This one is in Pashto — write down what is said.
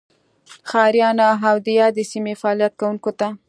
ښاریانو او دیادې سیمې فعالیت کوونکو ته